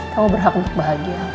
kamu berhak untuk bahagia